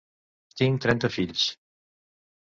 Tinc trenta fills.